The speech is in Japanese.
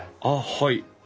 あっはい。